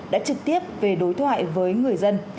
đã trực tiếp về đối thoại với người dân